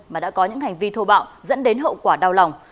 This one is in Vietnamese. mà đã có những hành vi thô bạo dẫn đến hậu quả đau lòng